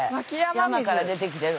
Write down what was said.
山から出てきてる。